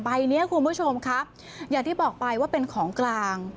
นี้คุณผู้ชมครับอย่างที่บอกไปว่าเป็นของกลาง